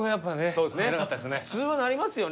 そうですね。